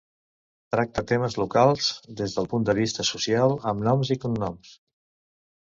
Tracta temes locals des del punt de vista social, amb noms i cognoms.